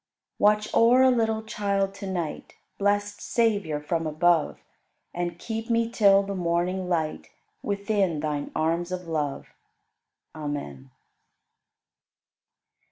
27. Watch o'er a little child to night, Blest Savior from above, And keep me till the morning light Within Thine arms of love. Amen.